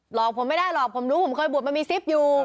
หลอกผมไม่ได้หรอกผมได้บูดมันมีซิฟอยู่